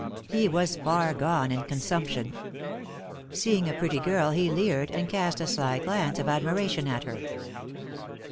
He was far gone in consumption. Seeing a pretty girl he leered, and cast a sly glance of admiration at her.